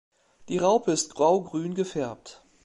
Die Raupe ist graugrün gefärbt.